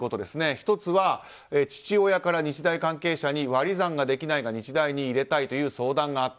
１つは父親から日大関係者に割り算ができないが日大に入れたいという相談があった。